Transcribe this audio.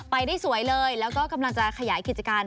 ไปได้สวยเลยแล้วก็กำลังจะขยายกิจการ